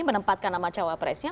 menempatkan nama cawapresnya